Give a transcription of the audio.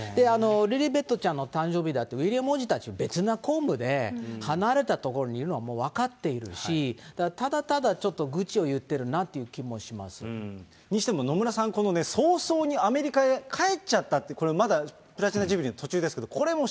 リリベットちゃんの誕生日、ウィリアム王子たちは別の公務で離れた所にいるっていうのは、もう分かっているし、ただただちょっと愚痴を言ってるなという気もにしても、野村さん、早々にアメリカへ帰っちゃったって、これ、まだプラチナ・ジュビリーの途中ですよね。